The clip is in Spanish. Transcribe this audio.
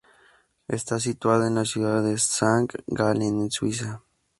Está situada en la ciudad de Sankt Gallen, en Suiza.